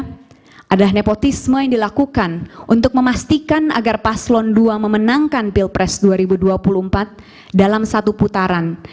pertama adalah nepotisme yang dilakukan untuk memastikan agar paslon dua memenangkan pilpres dua ribu dua puluh empat dalam satu putaran